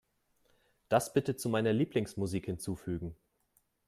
Das bitte zu meiner Lieblingsmusik hinzufügen.